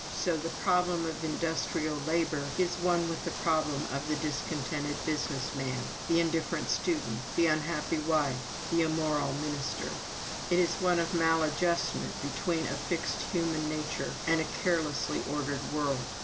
So the problem of industrial labor is one with the problem of the discontented business man, the indifferent student, the unhappy wife, the immoral minister it is one of maladjustment between a fixed human nature and a carelessly ordered world.